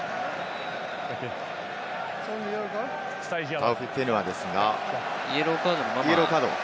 タオフィフェヌアですが、イエローカード。